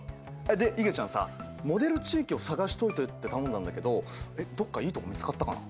でいげちゃんさモデル地域を探しておいてって頼んだんだけどどっかいいとこ見つかったかな？